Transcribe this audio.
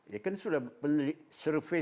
ya kan sudah penelitian